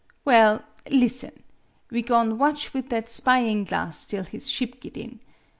Well, listen! We go'n' watch with that spying glasstill his ship git in.